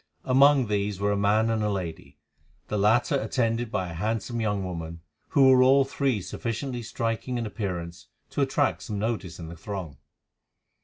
Among these were a man and a lady, the latter attended by a handsome young woman, who were all three sufficiently striking in appearance to attract some notice in the throng.